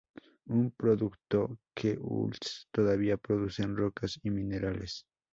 Un producto que Uis todavía produce es rocas y minerales.